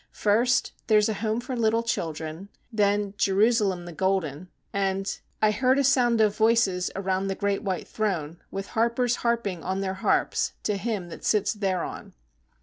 First, "There's a Home for Little Children," then "Jerusalem the Golden," and, "I heard a sound of voices Around the great white throne, With harpers harping on their harps To Him that sits thereon."